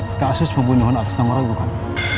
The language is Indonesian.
yang bapak maksud kasus pembunuhan atas nama orang bukan